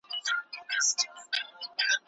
رسمي محکمو د قانون پر بنسټ کار کاوه.